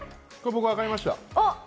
僕、分かりました。